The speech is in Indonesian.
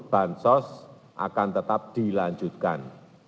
bantuan sosial akan tetap dilanjutkan